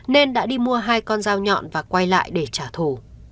nên đã đi mua hai con dao nhọn và quay lại để trả thù